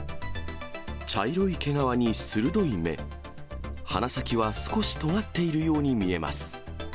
茶色い毛皮に鋭い目、鼻先は少しとがっているように見えます。